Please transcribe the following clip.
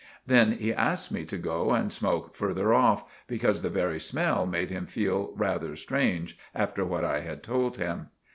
Then he asked me to go and smoak further off, because the very smell made him feal rather strange after what I had told him.